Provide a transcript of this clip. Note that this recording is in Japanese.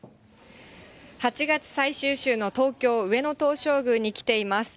８月最終週の東京・上野東照宮に来ています。